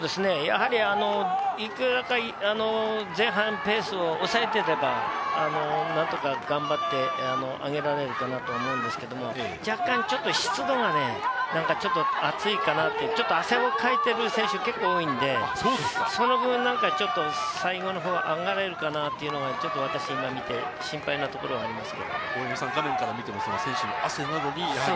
いくらか前半ペースを抑えていれば、何とか頑張ってあげられるかなと思うんですけれども、若干ちょっと湿度がね、暑いかなって、汗をかいている選手が結構多いんで、その分、最後の方、上がれるかなというのはちょっと私、見て心配なところはあります。